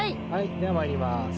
ではまいります。